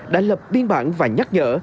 đã lập biên bản và nhắc nhở